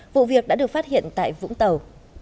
vụ việc đã được phát hiện tại vũng tàu